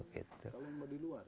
kalau di luar